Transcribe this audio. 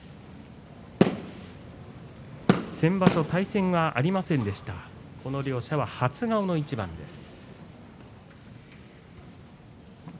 先場所対戦がありませんでしたがこの両者は初顔の一番です。